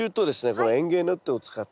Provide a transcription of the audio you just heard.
この園芸ネットを使ってですね